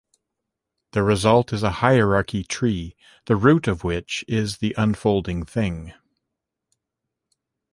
The result is a hierarchy tree, the root of which is the unfolded thing.